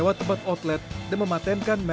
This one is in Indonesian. sampai aku kayak gak ada capeknya